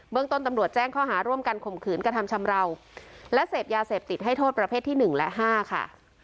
เมืองต้นตำรวจแจ้งข้อหาร่วมกันข่มขืนกระทำชำราวและเสพยาเสพติดให้โทษประเภทที่๑และ๕ค่ะ